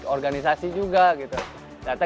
organisasi juga gitu ternyata